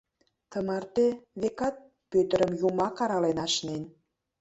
Тымарте, векат, Пӧтырым Юмак арален ашнен.